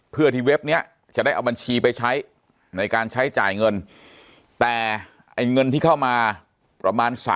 เพื่อที่เว็บนี้จะได้เอาบัญชีไปใช้ในการใช้จ่ายเงินแต่ไอ้เงินที่เข้ามาประมาณ